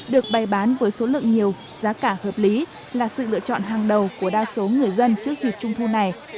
được bày bán với số lượng nhiều giá cả hợp lý là sự lựa chọn hàng đầu của đa số người dân trước dịp trung thu này